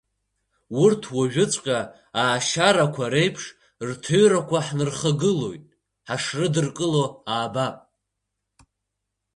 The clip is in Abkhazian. Урҭ уажәыҵәҟьа аашьарақәа реиԥш рҭыҩрақәа ҳнархагылоит, ҳашрыдыркыло аабап!